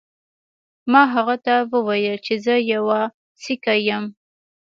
ما هغه ته وویل چې زه یو سیکه یم.